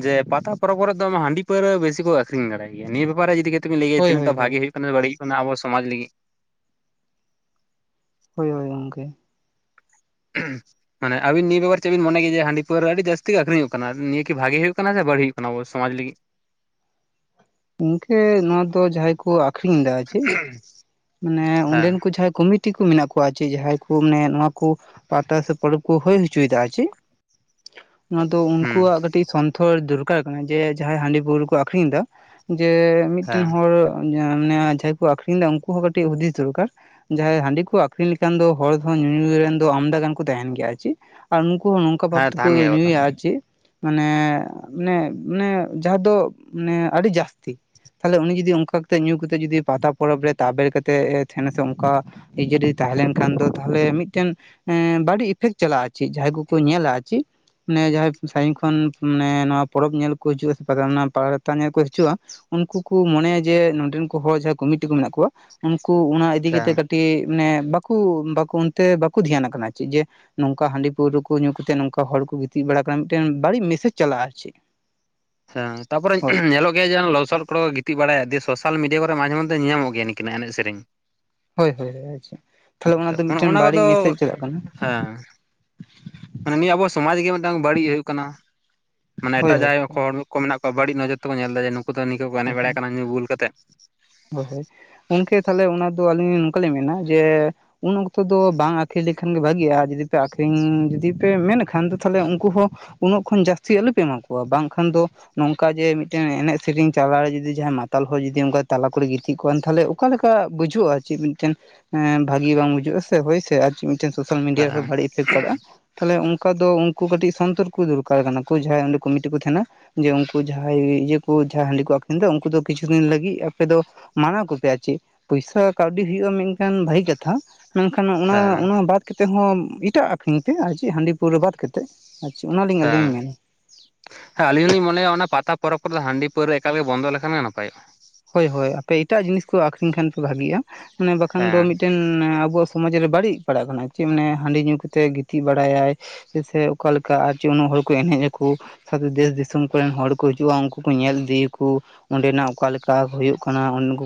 ᱡᱮ ᱯᱟᱛᱟ ᱯᱚᱨᱚᱵ ᱠᱚᱨᱮ ᱫᱚ ᱦᱟᱺᱰᱤ ᱯᱟᱹᱣᱟᱹ ᱵᱤᱥᱤ ᱠᱚ ᱟᱹᱠᱷᱨᱤᱧ ᱫᱟᱲᱮ ᱜᱮᱭᱟ ᱱᱤᱭᱟᱹ ᱵᱮᱯᱟᱨ ᱨᱮ ᱡᱩᱫᱤ ᱞᱟᱹᱭᱟ ᱠᱮᱭᱟ ᱦᱳᱭ ᱦᱳᱭ ᱛᱤᱱᱟᱹᱜᱟᱜ ᱦᱳᱭ ᱵᱷᱟᱜᱮ ᱦᱩᱭᱩᱜ ᱠᱟᱱᱟ ᱵᱟᱹᱲᱤᱡ ᱠᱟᱱᱟ ᱟᱵᱚ ᱥᱚᱢᱟᱡᱽ ᱞᱟᱹᱜᱤᱫ? ᱦᱳᱭ ᱦᱳᱭ ᱜᱚᱝᱠᱮ᱾ [unintelligible] ᱢᱟᱱᱮ ᱟᱵᱤᱱ ᱱᱤᱭᱟᱹ ᱵᱮᱵᱟᱨ ᱪᱮᱫ ᱵᱤᱱ ᱢᱚᱱᱮᱭᱟᱮ ᱦᱟᱺᱰᱤ ᱯᱟᱹᱣᱟᱹ ᱟᱹᱰᱤ ᱡᱟᱹᱛᱤ ᱜᱮ ᱟᱹᱠᱷᱨᱤᱧᱚᱜ ᱠᱟᱱᱟ ᱱᱤᱭᱟᱹ ᱠᱤ ᱵᱷᱟᱜᱤ ᱦᱩᱭᱩᱜ ᱠᱟᱱᱟ ᱥᱮ ᱵᱟᱹᱲ ᱦᱩᱭᱩᱜ ᱠᱟᱱᱟ ᱟᱵᱚ ᱥᱚᱢᱟᱡᱽ ᱞᱟᱹᱜᱤᱫ? ᱜᱚᱝᱠᱮ ᱱᱚᱣᱟ ᱫᱚ ᱡᱟᱦᱟᱸᱭ ᱠᱚ ᱟ [unintelligible] ᱢᱟᱱᱮ ᱦᱮᱸ ᱚᱸᱰᱮᱱ ᱠᱚ ᱡᱟᱦᱟᱸᱭ ᱠᱚᱢᱤ ᱴᱤ ᱠᱚ ᱢᱮᱱᱟᱜ ᱠᱚᱣᱟ ᱪᱮ ᱡᱟᱦᱟᱸᱭ ᱠᱩ ᱢᱟᱱᱮ ᱱᱚᱣᱟ ᱠᱩ ᱯᱟᱛᱟ ᱥᱮ ᱯᱚᱨᱚᱵᱽ ᱠᱚ ᱦᱩᱭ ᱦᱚᱪᱚᱭ ᱫᱟ ᱟᱨ ᱪᱮᱫ᱾ ᱱᱚᱣᱟ ᱫᱚ ᱦᱩᱸ ᱩᱱᱠᱩᱣᱟᱜ ᱠᱟᱹ ᱴᱤᱡ ᱥᱚᱱᱛᱷᱚᱨ ᱫᱚᱨᱠᱟᱨ ᱠᱟᱱᱟ ᱡᱮ ᱡᱟᱦᱟᱸᱭ ᱦᱟᱺᱰᱤ ᱯᱟᱹᱣᱟᱹ ᱠᱚ ᱟᱠᱷᱨᱤᱧᱮᱫᱟ ᱡᱮ ᱢᱤᱫᱴᱮᱱ ᱦᱮᱸ ᱦᱚᱲ ᱢᱟᱱᱮ ᱡᱟᱦᱟᱸᱭ ᱠᱚ ᱟᱠᱷᱨᱤᱧ ᱞᱮᱫᱟ ᱩᱝᱠᱩ ᱦᱚᱸ ᱠᱟᱹᱴᱤᱡ ᱦᱩᱫᱤᱥ ᱫᱚᱨᱠᱟᱨ ᱡᱟᱦᱟᱸᱭ ᱦᱟᱺᱰᱤ ᱠᱚ ᱟᱠᱷᱨᱤᱧ ᱞᱮᱠᱷᱟᱱ ᱫᱚ ᱦᱚᱲ ᱫᱚ ᱧᱩ ᱨᱮᱱ ᱫᱚ ᱟᱢᱫᱟ ᱜᱟᱱ ᱠᱚ ᱛᱟᱦᱮᱸᱱ ᱜᱮᱭᱟ ᱟᱨ ᱪᱮᱫ? ᱟᱨ ᱩᱱᱩᱠᱩ ᱦᱚᱸ ᱱᱚᱝᱠᱟ ᱵᱷᱟᱵ ᱦᱮᱸ ᱛᱮᱠᱚ ᱛᱟᱦᱮᱱ ᱜᱮᱭᱟ ᱠᱚᱛᱚ ᱧᱩᱭᱟ ᱟᱨ ᱪᱮ, ᱢᱟᱱᱮ ᱢᱟᱱᱮ ᱢᱟᱱᱮ ᱡᱟᱦᱟᱸ ᱫᱚ ᱢᱟᱱᱮ ᱟᱹᱰᱤ ᱡᱟᱹᱥᱛᱤ᱾ ᱛᱟᱦᱚᱞᱮ ᱩᱱᱤ ᱡᱩᱫᱤ ᱚᱝᱠᱟ ᱠᱟᱛᱮ ᱧᱩ ᱠᱟᱛᱮ ᱡᱩᱫᱤ ᱯᱟᱛᱟ ᱯᱚᱨᱚᱵᱽ ᱨᱮ ᱛᱟᱵᱮᱨ ᱠᱟᱛᱮᱫ ᱮ ᱛᱟᱦᱮᱸᱱᱟ ᱥᱮ ᱚᱝᱠᱟ ᱮ ᱡᱚᱫᱤ ᱛᱟᱦᱮᱸᱞᱮᱱᱠᱷᱟᱱ ᱫᱚ ᱛᱟᱦᱚᱞᱮ ᱢᱤᱫᱴᱮᱱ ᱮᱸ ᱵᱟᱹᱲᱤᱡ ᱤᱯᱷᱮᱠᱴ ᱪᱟᱞᱟᱜᱼᱟ ᱪᱮᱫ ᱡᱟᱦᱟᱸᱭ ᱠᱚᱠᱚ ᱧᱮᱞᱟ ᱪᱤ᱾ ᱱᱮ ᱡᱟᱦᱟᱸᱭ ᱥᱟᱹᱜᱤᱧ ᱠᱷᱚᱱ ᱱᱮ ᱱᱚᱣᱟ ᱯᱚᱨᱚᱵᱽ ᱧᱮᱞ ᱠᱚ ᱦᱤᱡᱩᱜᱼᱟ ᱥᱮ ᱯᱟ ᱯᱟᱲᱛᱟ ᱧᱮᱞ ᱠᱚ ᱦᱤᱡᱩᱜᱼᱟ, ᱩᱱᱠᱩ ᱠᱩ ᱢᱚᱱᱮᱭᱟ ᱡᱮ ᱱᱚᱰᱮᱱᱠᱩ ᱦᱚᱲ ᱡᱟᱦᱟᱸᱭ ᱠᱚᱢᱤᱴᱤ ᱠᱚ ᱢᱮᱱᱟᱜ ᱠᱚᱣᱟ ᱩᱱᱠᱩ ᱚᱱᱟ ᱤᱫᱤ ᱟᱪᱪᱷᱟ ᱠᱟᱛᱮᱜ ᱠᱟᱹ ᱴᱤᱡ ᱢᱟᱱᱮ ᱵᱟᱠᱩ ᱵᱟᱠᱩ ᱚᱱᱛᱮ ᱵᱟᱠᱚ ᱫᱷᱮᱭᱟᱱᱜ ᱠᱟᱱᱟ ᱪᱮᱫ ᱡᱮ ᱱᱚᱝᱠᱟ ᱦᱟᱺᱰᱤ ᱯᱟᱹᱣᱨᱟᱹ ᱠᱚ ᱧᱩ ᱠᱟᱛᱮᱫ ᱱᱚᱝᱠᱟ ᱦᱚᱲ ᱠᱚ ᱜᱤᱛᱤᱡ ᱵᱟᱲᱟᱜ ᱠᱟᱱᱟ ᱢᱤᱫᱴᱮᱱ ᱵᱟᱹᱲᱤᱡ ᱢᱮᱥᱮᱡ ᱪᱟᱞᱟᱜᱼᱟ ᱟᱨ ᱪᱮᱫ᱾ ᱪᱷᱟ ᱦᱮᱸ ᱛᱟᱯᱚᱨᱮ ᱦᱳᱭ ᱧᱮᱞᱚᱜ ᱜᱮᱭᱟ ᱡᱮ ᱞᱚᱥᱚᱫ ᱠᱚᱨᱮ ᱜᱤ ᱛᱤᱜ ᱵᱟᱲᱟᱭᱟ ᱫᱤᱭᱮ ᱥᱳᱥᱟᱞ ᱢᱤᱰᱤᱭᱟ ᱠᱚᱨᱮ ᱢᱟᱡᱷᱮ ᱢᱚᱫᱽᱷᱮ ᱧᱮᱞ ᱧᱟᱢᱚᱼᱜ ᱜᱮᱭᱟ ᱱᱤᱝᱠᱟᱹᱱᱟᱜ ᱮᱱᱮᱡ ᱥᱮᱨᱮᱧ᱾ ᱦᱳᱭ ᱦᱳᱭ ᱟᱪᱪᱷᱟ ᱛᱟᱦᱞᱮ ᱛᱚ ᱚᱱᱟ ᱫᱚ ᱚᱱᱮ ᱢᱤᱫᱴᱮᱱ ᱵᱟᱹᱲᱤᱡ ᱠᱚᱫᱚ ᱢᱮᱥᱮᱡ ᱪᱟᱞᱟᱜ ᱠᱟᱱᱟ᱾ ᱦᱮᱸ ᱢᱟᱱᱮ ᱱᱤᱭᱟᱹ ᱟᱵᱚ ᱥᱚᱢᱟᱡ ᱜᱮ ᱢᱤᱫᱴᱟᱝ ᱵᱟᱹᱲᱤᱡ ᱦᱩᱭᱩᱜ ᱠᱟᱱᱟ ᱢᱟᱱᱮ ᱦᱳᱭ ᱮᱴᱟᱜ ᱦᱳᱭ ᱡᱟᱦᱟᱸᱭ ᱦᱚᱲ ᱠᱚ ᱢᱮᱱᱟᱜ ᱠᱚᱣᱟ ᱵᱟᱹᱲᱤᱡ ᱱᱚᱡᱚᱨ ᱛᱮᱠᱚ ᱧᱮᱞ ᱮᱫᱟ ᱡᱮ ᱱᱩᱠᱩ ᱫᱚ ᱱᱤᱝᱠᱟᱹ ᱠᱚ ᱮᱱᱮᱡ ᱦᱳᱭ ᱵᱟᱲᱟᱭ ᱠᱟᱱᱟ ᱧᱩ ᱵᱩᱞ ᱠᱟᱛᱮᱫ᱾ ᱦᱳᱭ ᱦᱳᱭ ᱜᱚᱢᱠᱮ ᱛᱟᱦᱞᱮ ᱚᱱᱟ ᱫᱚ ᱟᱹᱞᱤᱧ ᱱᱚᱝᱠᱟᱞᱤᱧ ᱢᱮᱱᱟ ᱡᱮ ᱩᱱ ᱚᱠᱛᱚ ᱫᱚ ᱵᱟᱝ ᱟᱠᱷᱨᱤᱧ ᱞᱮᱠᱷᱟᱱ ᱜᱮ ᱵᱷᱟᱜᱤᱜᱼᱟ ᱟᱨ ᱡᱩᱫᱤ ᱯᱮ ᱟᱠᱷᱨᱤᱧ ᱡᱩᱫᱤ ᱯᱮ ᱢᱮᱱ ᱠᱷᱟᱱ ᱫᱚ ᱛᱟᱦᱞᱮ ᱩᱱᱠᱩ ᱦᱚᱸ ᱩᱱᱟᱹᱜ ᱠᱷᱚᱱ ᱡᱟᱹᱥᱛᱤ ᱟᱞᱚ ᱯᱮ ᱮᱢᱟ ᱠᱚᱣᱟ ᱵᱟᱝᱠᱷᱟᱱ ᱫᱚ ᱱᱚᱝᱠᱟ ᱡᱮ ᱢᱤᱫᱴᱮᱱ ᱮᱱᱮᱡ ᱥᱮᱨᱮᱧ ᱛᱟᱞᱟᱨᱮ ᱡᱩᱫᱤ ᱡᱟᱦᱟᱸᱭ ᱢᱟᱛᱟᱞ ᱦᱚᱲ ᱡᱩᱫᱤ ᱚᱱᱠᱟ ᱛᱟᱞᱟ ᱠᱚᱨᱮ ᱜᱤᱛᱤᱡ ᱠᱚᱜᱟᱱ ᱛᱟᱦᱚᱞᱮ ᱚᱠᱟ ᱞᱮᱠᱟ ᱵᱩᱡᱷᱟᱹᱜᱼᱟ ᱪᱮᱫ ᱢᱤᱫᱴᱮᱱ ᱵᱷᱟᱹᱜᱤ ᱵᱟᱝ ᱵᱩᱡᱷᱟᱹᱜᱼᱟ ᱥᱮ ᱦᱳᱭ ᱥᱮ ᱟᱨ ᱪᱮᱫ ᱢᱤᱫᱴᱮᱱ ᱥᱳᱥᱟᱞ ᱢᱤᱰᱤᱭᱟ ᱨᱮᱦᱚᱸ ᱦᱮᱸ ᱵᱟᱹᱲᱤᱡ ᱮᱯᱷᱮᱠᱴ ᱯᱟᱲᱟᱜᱼᱟ᱾ ᱛᱟᱦᱚᱞᱮ ᱚᱱᱠᱟ ᱫᱚ ᱩᱱᱠᱩ ᱠᱟᱹᱴᱤᱡ ᱥᱚᱱᱛᱚᱨ ᱠᱚ ᱫᱚᱨᱠᱟᱨ ᱠᱟᱱᱟ ᱠᱚ ᱡᱟᱦᱟᱸᱭ ᱚᱸᱰᱮ ᱠᱚᱢᱤᱴᱤ ᱠᱚ ᱛᱟᱦᱮᱱᱟ, ᱡᱮ ᱩᱱᱠᱩ ᱡᱟᱦᱟᱸᱭ ᱤᱭᱟᱹ ᱠᱚ ᱡᱟᱦᱟᱸᱭ ᱦᱟᱺᱰᱤ ᱠᱚ ᱟᱠᱷᱨᱤᱧ ᱫᱚ ᱩᱱᱠᱩ ᱫᱚ ᱠᱤᱪᱷᱩ ᱫᱤᱱ ᱞᱟᱹᱜᱤᱫ ᱟᱯᱮ ᱫᱚ ᱢᱟᱱᱟ ᱠᱚᱯᱮ ᱟᱨ ᱪᱮᱫ᱾ ᱯᱚᱭᱥᱟ ᱠᱟᱹᱣᱰᱤ ᱦᱩᱭᱩᱜᱼᱟ ᱢᱮᱱᱠᱷᱟᱱ ᱵᱷᱟᱹᱜᱤ ᱠᱟᱛᱷᱟ, ᱢᱮᱱᱠᱷᱟᱱ ᱚᱱᱟ ᱦᱮᱸ ᱦᱮᱸ ᱚᱱᱟ ᱵᱟᱫ ᱠᱟᱛᱮᱫ ᱦᱚᱸ ᱮᱴᱟᱜ ᱟᱠᱷᱨᱤᱧ ᱯᱮ ᱟᱨ ᱪᱮᱫ ᱦᱟᱺᱰᱤ ᱯᱟᱹᱣᱨᱟᱹ ᱵᱟᱫ ᱠᱟᱛᱮᱫ᱾ ᱟᱪᱪᱷᱟ ᱚᱱᱟᱞᱤᱧ ᱟᱹᱞᱤᱧ ᱞᱤᱧ ᱢᱮᱱᱟ᱾ ᱦᱮᱸ ᱟᱞᱤᱧ ᱦᱚ ᱞᱤᱧ ᱢᱚᱱᱮᱭᱟ ᱚᱱᱟ ᱯᱟᱛᱟ ᱯᱚᱨᱚᱵᱽ ᱠᱚᱨᱮᱫᱚ ᱦᱟᱺᱰᱤ ᱯᱟᱹᱨᱣᱟᱹ ᱮᱠᱟᱞ ᱜᱮ ᱵᱚᱱᱫᱚ ᱞᱮᱠᱷᱟᱱ ᱜᱮ ᱱᱟᱯᱟᱭᱚᱜᱼᱟ᱾ ᱦᱳᱭ ᱦᱳᱭ ᱟᱯᱮ ᱮᱴᱟᱜ ᱡᱤᱱᱤᱥ ᱠᱚ ᱟᱠᱷᱨᱤᱧ ᱠᱷᱟᱱ ᱯᱮ ᱵᱷᱟᱜᱤᱜᱼᱟ ᱢᱟᱱᱮ ᱵᱟᱠᱷᱟᱱ ᱫᱚ ᱦᱮᱸ ᱢᱤᱫᱴᱮᱱ ᱢᱟᱱᱮ ᱟᱵᱚᱣᱟᱜ ᱥᱚᱢᱟᱡ ᱨᱮ ᱵᱟᱹᱲᱤᱡ ᱯᱟᱲᱟᱜ ᱠᱟᱱᱟ ᱪᱮᱫ ᱢᱟᱱᱮ ᱦᱟᱺᱰᱤ ᱧᱩ ᱠᱟᱛᱮᱫ ᱜᱤᱛᱤᱡ ᱵᱟᱲᱟᱭᱟᱭ ᱦᱮᱸᱥᱮ ᱚᱠᱟᱞᱮᱠᱟ ᱟᱨ ᱡᱮ ᱩᱱᱟᱹᱜ ᱦᱚᱲ ᱠᱚ ᱮᱱᱮᱡ ᱟᱠᱚ ᱥᱟᱶᱛᱮ ᱫᱮᱥ ᱫᱤᱥᱚᱢ ᱠᱚᱨᱮᱱ ᱦᱚᱲ ᱠᱚ ᱦᱤᱡᱩᱜᱼᱟ ᱩᱱᱠᱩ ᱧᱮᱞ ᱤᱫᱤᱭᱟᱠᱚ ᱚᱸᱰᱮᱱᱟᱜ ᱚᱠᱟᱞᱮᱠᱟ [unintelligible] ᱦᱩᱭᱩᱜ ᱠᱟᱱᱟ ᱩᱱᱠᱩ